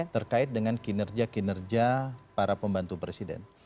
terkait dengan kinerja kinerja para pembantu presiden